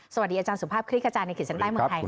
สวัสดีอาจารย์สุภาพคลิกอาจารย์ในคิดสันใต้เมืองไทยสวัสดีครับ